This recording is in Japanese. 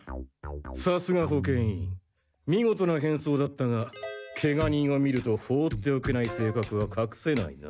さすが保健委員みごとな変装だったがケガ人を見ると放っておけない性格はかくせないな。